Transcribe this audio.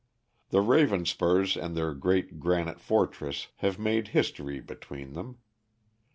The Ravenspurs and their great granite fortress have made history between them.